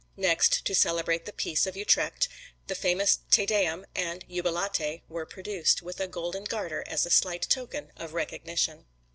Next, to celebrate the peace of Utrecht, the famous "Te Deum" and "Jubilate" were produced, with a golden garter as a slight token of recognition.